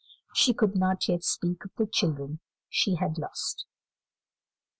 She could not yet speak of the children she had lost.